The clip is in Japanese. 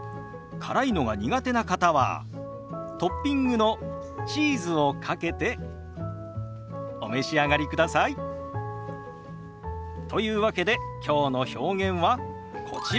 辛いのが苦手な方はトッピングのチーズをかけてお召し上がりください。というわけできょうの表現はこちら。